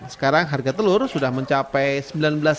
sekarang harga telur sudah mencapai rp sembilan belas